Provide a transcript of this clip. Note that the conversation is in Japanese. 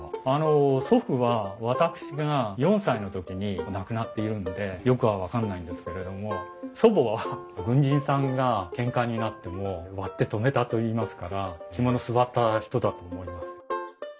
祖父は私が４歳の時に亡くなっているのでよくは分かんないんですけれども祖母は軍人さんがけんかになっても割って止めたといいますから肝の据わった人だと思います。